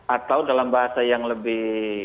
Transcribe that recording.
atau dalam bahasa yang lebih